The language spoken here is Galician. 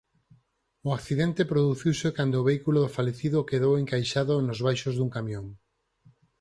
O accidente produciuse cando o vehículo do falecido quedou encaixado nos baixos dun camión.